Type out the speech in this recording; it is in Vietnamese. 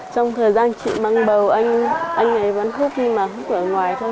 trong thời gian chị mang bầu anh ấy vẫn khúc nhưng mà hút ở ngoài thôi